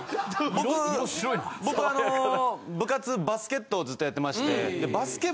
僕僕あの部活バスケットをずっとやってまして。